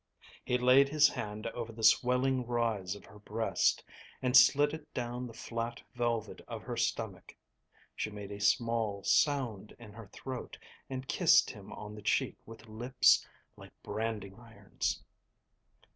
He laid his hand over the swelling rise of her breast and slid it down the flat velvet of her stomach. She made a small sound in her throat and kissed him on the cheek with lips like branding irons.